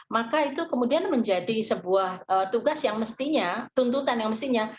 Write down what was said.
maka itu kemudian menjadi sebuah tugas yang mestinya tuntutan yang mestinya